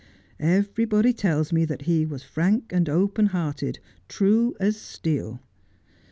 Everybody tells me that he was frank and open hearted, true as steel.